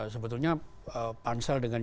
sebetulnya pansel dengan